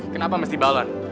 kenapa mesti balon